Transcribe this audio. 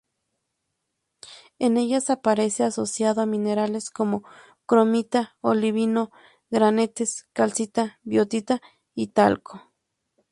En ellas, aparece asociado a minerales como: cromita, olivino, granates, calcita, biotita y talco.